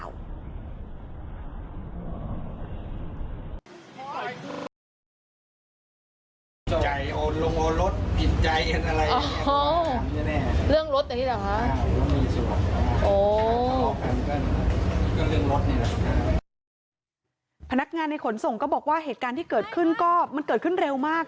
หัวคิวสัยแย่งลูกค้ากันหรือเปล่า